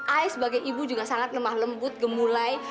ais sebagai ibu juga sangat lemah lembut gemulai